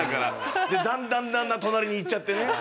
だんだんだんだん隣に行っちゃってね。